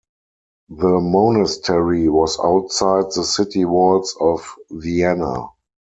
The monastery was outside the city walls of Vienna.